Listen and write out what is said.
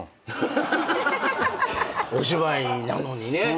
お芝居なのにね。